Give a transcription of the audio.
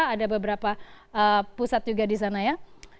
ada beberapa pusat juga di sana ya